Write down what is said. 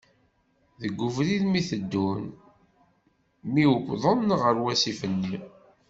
Deg ubrid mi teddun, mi d uwḍen ɣer wasif-nni.